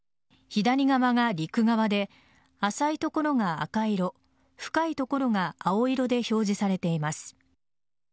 左側が陸側で浅いところが赤色深いところが青色で表示されています。